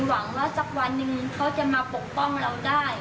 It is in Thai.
หวังว่าสักวันหนึ่งเขาจะมาปกป้องเราได้